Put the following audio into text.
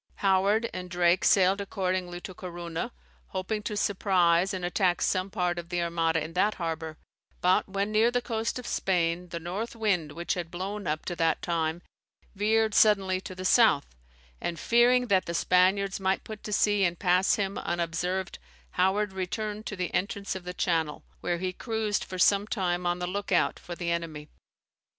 Howard and Drake sailed accordingly to Corunna, hoping to surprise and attack some part of the Armada in that harbour; but when near the coast of Spain, the north wind, which had blown up to that time, veered suddenly to the south; and fearing that the Spaniards might put to sea and pass him unobserved, Howard returned to the entrance of the Channel, where he cruised for some time on the look out for the enemy.